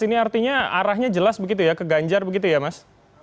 ini artinya arahnya jelas begitu ya ke ganjar begitu ya mas